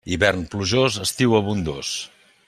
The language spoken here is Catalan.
Hivern plujós, estiu abundós.